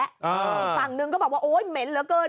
อีกฝั่งนึงก็บอกว่าโอ๊ยเหม็นเหลือเกิน